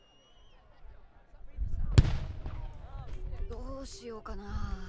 どうしようかなあ。